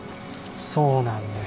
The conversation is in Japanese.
そうなんです。